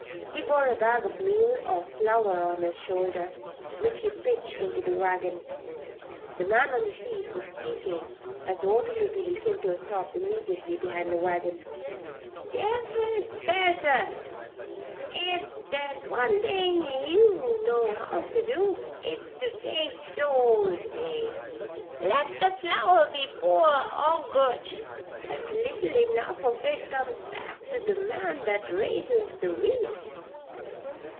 He bore a bag of meal or flour on his shoulder which he pitched into the wagon. The man on the seat was speaking as the automobile came to a stop immediately behind the wagon. "Jefers pelters! Ef there's one thing yeou know how to do, it's to take toll, Jabe. Let the flour be poor, or good, there's little enough of it comes back to the man that raises the wheat."